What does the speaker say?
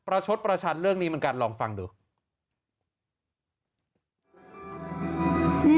ชดประชันเรื่องนี้เหมือนกันลองฟังดู